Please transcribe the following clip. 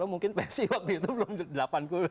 mungkin psi waktu itu belum delapan puluh